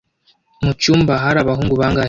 Mucyumba hari abahungu bangahe?